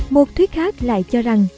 một thuyết khác lại cho rằng